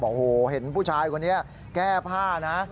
โอ้โหเห็นผู้ชายคนนี้แก้ผ้านะ